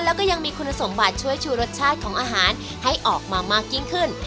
แล้วก็ยังมีคุณสมบัติช่วยชูรสชาติของอาหารให้ออกมามากยิ่งขึ้น